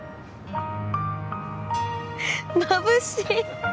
まぶしい